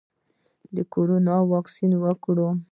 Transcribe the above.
د کرونا واکسین وکړم؟